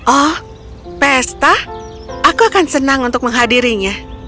oh pesta aku akan senang untuk menghadirinya